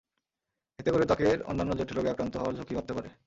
এতে করে ত্বকের অন্যান্য জটিল রোগে আক্রান্ত হওয়ার ঝুঁকি বাড়তে পারে।